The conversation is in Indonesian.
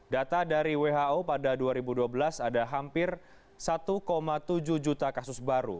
data dari who pada dua ribu dua belas ada hampir satu tujuh juta kasus baru